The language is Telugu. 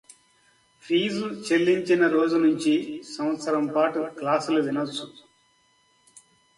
ఫీజు చెల్లించిన రోజు నుంచి సంవత్సరం పాటు క్లాసులు వినొచ్చు